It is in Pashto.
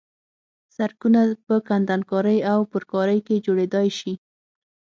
سرکونه په کندنکارۍ او پرکارۍ کې جوړېدای شي